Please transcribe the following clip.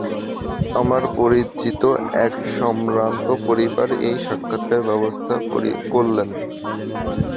আমার পরিচিত এক সম্ভ্রান্ত পরিবার এই সাক্ষাতের ব্যবস্থা করলেন।